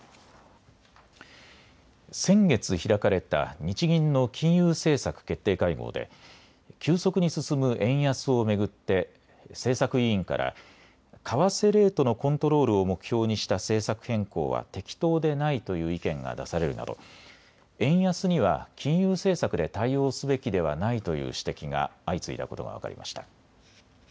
先月、開かれた日銀の金融政策決定会合で急速に進む円安を巡って政策委員から為替レートのコントロールを目標にした政策変更は適当でないという意見が出されるなど円安には金融政策で対応すべきではないという指摘が相次いだことが分かりました。